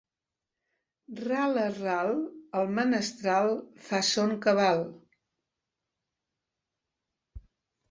Ral a ral, el menestral fa son cabal.